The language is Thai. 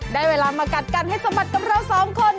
ได้เวลามากัดกันให้สะบัดกับเราสองคน